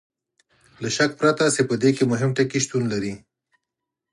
له شک پرته چې په دې کې مهم ټکي شتون لري.